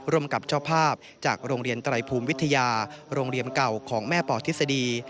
ร่วมกับเจ้าภาพจากโรงเรียนไตรภูมิวิทยาโรงเรียนเก่าของแม่ป่อทฤษฎี